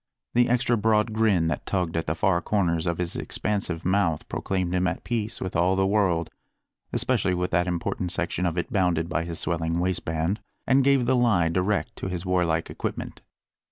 The extra broad grin that tugged at the far corners of bis expansive mouth proclaimed him at peace with all the world especially with that important section of it bounded by his swelling waistband and gave the lie direct to his warlike equipment.